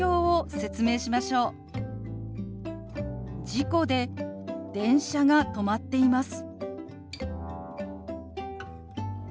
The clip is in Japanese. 「事故で電車が止まっています」。